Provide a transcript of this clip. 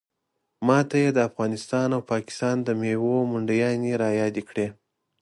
ماته یې د افغانستان او پاکستان د میوو منډیانې رایادې کړې.